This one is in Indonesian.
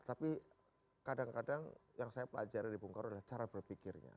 tapi kadang kadang yang saya pelajari dari bung karno adalah cara berpikirnya